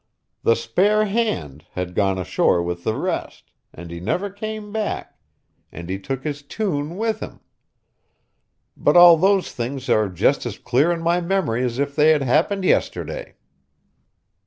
The spare hand had gone ashore with the rest, and he never came back, and he took his tune with him; but all those things are just as clear in my memory as if they had happened yesterday.